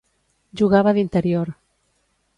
Jugava d'interior.